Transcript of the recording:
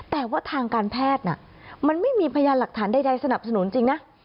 แต่ว่าทางการแพทย์มันไม่มีพยานหลักฐานใดสนับสนุนจริงนะ